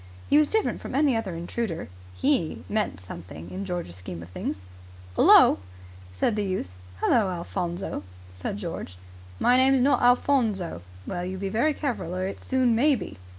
He was different from any other intruder. He meant something in George's scheme of things. "'Ullo!" said the youth. "Hullo, Alphonso!" said George. "My name's not Alphonso." "Well, you be very careful or it soon may be."